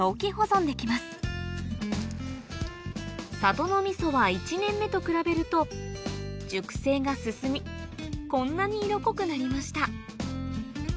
このみそにはと比べると熟成が進みこんなに色濃くなりました